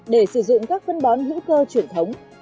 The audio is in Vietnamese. để sử dụng các phân bón hữu cơ truyền thống